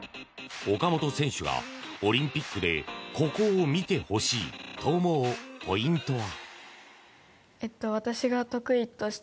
岡本選手が、オリンピックでここを見てほしいと思うポイントは？